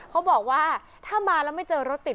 เขาบอกว่าถ้ามาแล้วไม่เจอรถติด